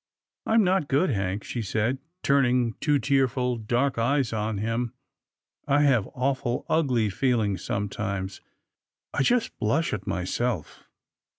" I'm not good, Hank," she said, turning two tearful, dark eyes on him. " I have awful ugly feelings sometimes. I just blush at myself."